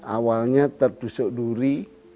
awalnya tertusuk duri